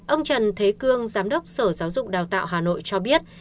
ông trần thế cương giám đốc sở giáo dục đào tạo hà nội cho biết